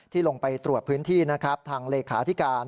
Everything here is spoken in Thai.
ลงไปตรวจพื้นที่นะครับทางเลขาธิการ